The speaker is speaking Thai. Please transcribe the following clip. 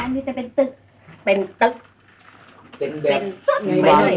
อันนี้จะเป็นตึกเป็นเต๊ะเป็นใบ๑๕เลยนะ